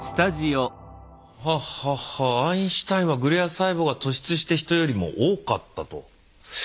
アインシュタインはグリア細胞が突出して人よりも多かったと。